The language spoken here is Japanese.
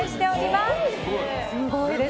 すごいです。